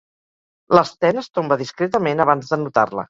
L'Sten es tomba discretament abans d'anotar-la.